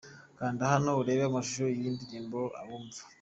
Kanda hano urebe amashusho y'iyi ndirimbo 'Abumva' .